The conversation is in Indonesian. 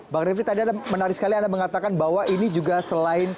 bang refli tadi ada menarik sekali anda mengatakan bahwa ini juga selain